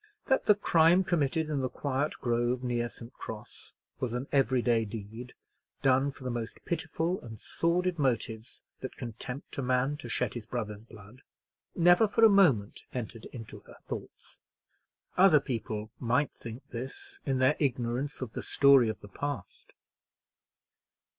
That the crime committed in the quiet grove, near St. Cross, was an every day deed, done for the most pitiful and sordid motives that can tempt a man to shed his brother's blood, never for a moment entered into her thoughts. Other people might think this in their ignorance of the story of the past.